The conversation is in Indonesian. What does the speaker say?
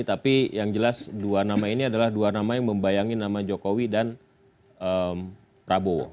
tapi yang jelas dua nama ini adalah dua nama yang membayangi nama jokowi dan prabowo